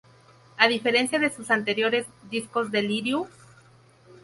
A diferencia de sus anteriores discos Delirious?